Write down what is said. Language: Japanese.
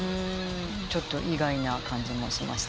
ちょっと意外な感じもしましたけれども。